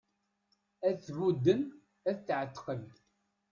Ad t-budden ad t-εetqen